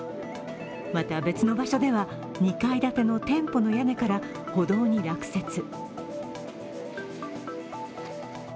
また別の場所では２階建ての店舗の屋根から歩道に落雪。